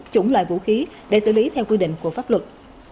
chủng loại vũ khí để xử lý theo quy định của pháp luật